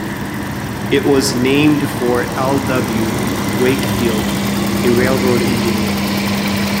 It was named for L. W. Wakefield, a railroad engineer.